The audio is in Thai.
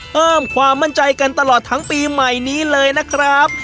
เพิ่มความมั่นใจกันตลอดทั้งปีใหม่นี้เลยนะครับ